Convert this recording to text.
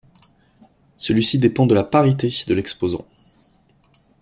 Celui-ci dépend de la parité de l'exposant.